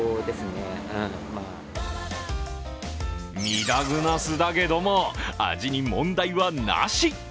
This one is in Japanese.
ミダグナシだけども、味に問題はなし！